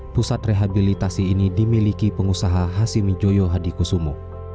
pusat rehabilitasi ini dimiliki pengusaha hasimijoyo hadikusumo